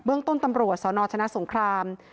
ต้นตำรวจสนชนะสงคราม